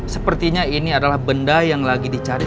sepertinya ini adalah benda yang lagi dicari